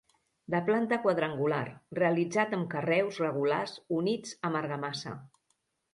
De planta quadrangular, realitzat amb carreus regulars units amb argamassa.